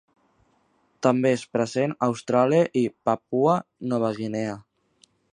També és present a Austràlia i Papua Nova Guinea.